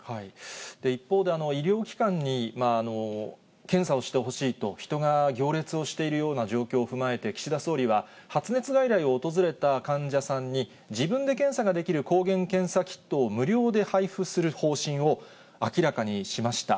一方で、医療機関に検査をしてほしいと、人が行列をしているような状況を踏まえて、岸田総理は、発熱外来を訪れた患者さんに自分で検査ができる抗原検査キットを無料で配付する方針を明らかにしました。